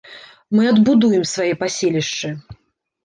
Мы адбудуем свае паселішчы.